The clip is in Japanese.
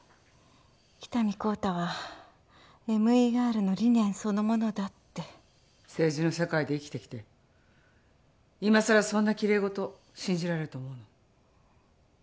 喜多見幸太はＭＥＲの理念そのものだって政治の世界で生きてきて今さらそんなきれい事信じられると思うの？